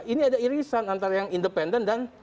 ini ada irisan antara yang independen dan